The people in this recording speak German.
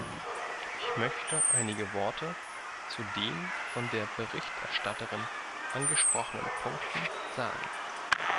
Ich möchte einige Worte zu den von der Berichterstatterin angesprochenen Punkten sagen.